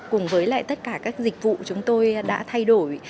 cùng với lại tất cả các dịch vụ chúng tôi đã thay đổi